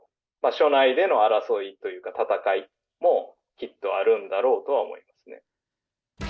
所内での争いというか、戦いもきっとあるんだろうとは思いますね。